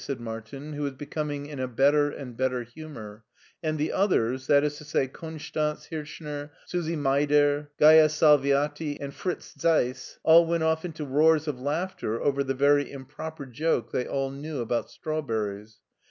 said Martin, who was becoming in a better and better humor; and the others — ^that is to say, Konstanz, Hirchner, Susie Meyder, Gaiya Sal viati and Fritz Zeiss — ^all went off into roars of laugh ter over the v6ry improper joke they all knew about strawberries.